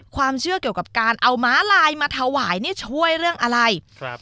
ความเชื่อเกี่ยวกับการเอาม้าลายมาถวายเนี่ยช่วยเรื่องอะไรครับ